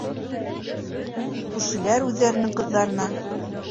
Күршеләр үҙҙәренең ҡыҙҙарына: